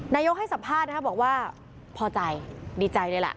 ให้สัมภาษณ์นะครับบอกว่าพอใจดีใจเลยล่ะ